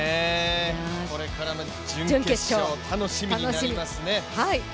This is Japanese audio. これからの準決勝、楽しみになりますね。